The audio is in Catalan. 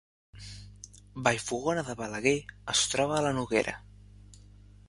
Vallfogona de Balaguer es troba a la Noguera